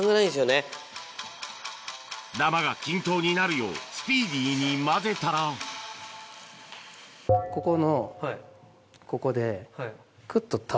ダマが均等になるようスピーディーに混ぜたらここのここでくっと倒す。